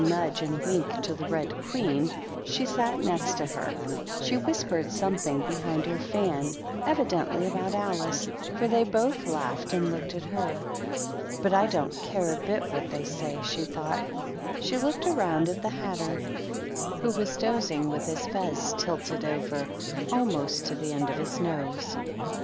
nudge and wink to the Red Queen, who sat m to her, she whispered something behind her £ evidently about Alice, for they both laughed a looked at her. " But I don't care a bit what tl say," she thought. She looked round at ' Hatter, who was dozing, with his fez tilted o almost to the end of his nose.